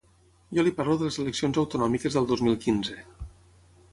Jo li parlo de les eleccions autonòmiques del dos mil quinze.